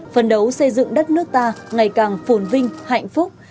phần đấu xây dựng đất nước ta ngày càng phồn vinh hạnh phúc